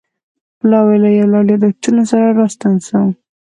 پلاوی له یو لړ یادښتونو سره راستون شو.